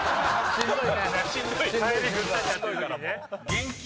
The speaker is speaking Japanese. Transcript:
しんどい。